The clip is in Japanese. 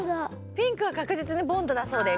ピンクはかくじつにボンドだそうです。